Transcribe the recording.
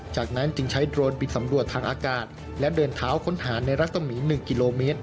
จากนั้นจึงใช้โดรนบินสำรวจทางอากาศและเดินเท้าค้นหาในรัศมี๑กิโลเมตร